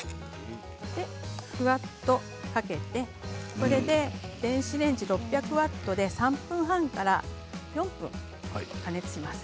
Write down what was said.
ふわっとかけて、これで電子レンジで６００ワットで３分半から４分、加熱します。